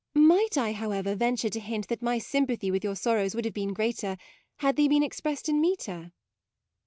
Might I, however, ven ture to hint that my sympathy with your sorrows would have been greater, had they been expressed in metre